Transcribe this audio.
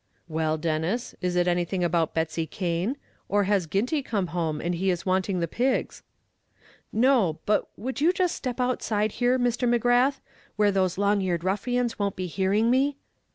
"Well, Denis; is it anything about Betsy Cane? or has Ginty come home, and is he wanting the pigs?" "No, but would you just step outside here, Mr. McGrath; where those long eared ruffians won't be hearing me?"